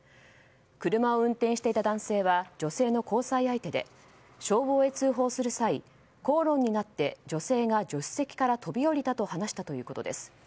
車を運転していた男性は女性の交際相手で消防へ通報する際、口論になって女性が助手席から飛び降りたと話したということです。